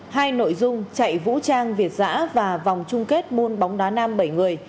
hai nội dung chạy vũ trang việt giã và vòng chung kết môn bóng đá nam bảy người